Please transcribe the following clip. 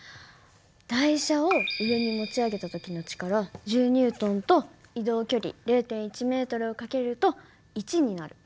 台車を上に持ち上げた時の力１０Ｎと移動距離０．１ｍを掛けると１になる。